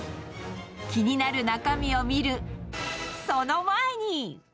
気になる中身を見る、その前に。